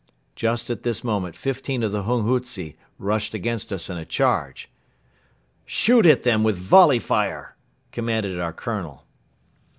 Just at this moment fifteen of the hunghutze rushed against us in a charge. "Shoot at them with volley fire!" commanded our Colonel.